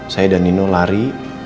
saya dan nino lari